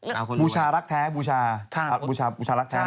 เอาคนรวยบูชารักแท้บูชาบูชารักแท้ไหม